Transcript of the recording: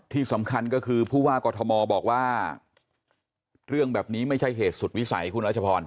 ที่สำคัญก็คือผู้ว่ากอทมบอกว่าเรื่องแบบนี้ไม่ใช่เหตุสุดวิสัยคุณรัชพร